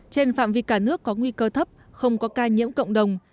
trên phạm vi cả nước có nguy cơ thấp không có ca nhiễm cộng đồng